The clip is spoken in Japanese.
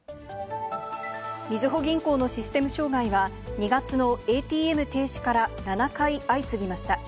みずほ銀行のシステム障害は、２月のＡＴＭ停止から７回相次ぎました。